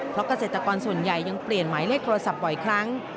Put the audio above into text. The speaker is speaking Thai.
เพราะเกษตรกรส่วนใหญ่ยังเปลี่ยนหมายเลขโทรศัพท์บ่อยครั้ง